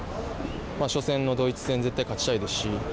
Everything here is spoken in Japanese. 初戦のドイツ戦絶対勝ちたいですし。